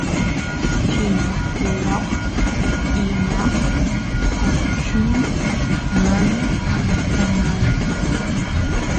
rini ruwaq imaqkachun mana onqonaypaq